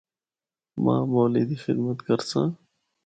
ماں بولی دی خدمت کرساں۔